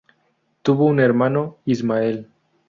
Tuvo un hermano, Ismael.